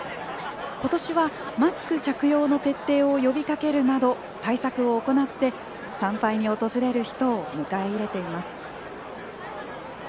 ことしはマスク着用の徹底を呼びかけるなど対策を行って参拝に訪れる人を迎え入れています。